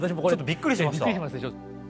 びっくりしますでしょ。